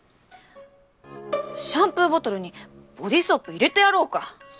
シャンプーボトルにボディーソープ入れてやろうか？